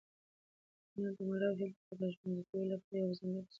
هنر د مړاوو هیلو د راژوندي کولو لپاره یو ځانګړی ځواک لري.